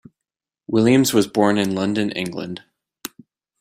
Williams was born in London, England.